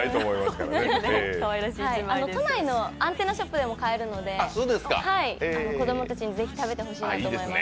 都内のアンテナショップでも買えるので、子供たちにぜひ食べてほしいなと思います。